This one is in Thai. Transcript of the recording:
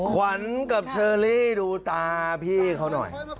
ขวัญกับเชอรี่ดูตาพี่เขาหน่อย